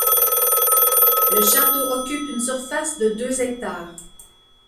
Le château occupe une surface de deux hectares.